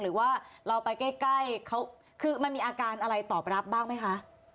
หรือว่าเราไปใกล้เขาคือมันมีอาการอะไรตอบรับบ้างไหมคะ